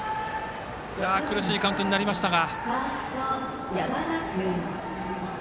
苦しいカウントになりましたが。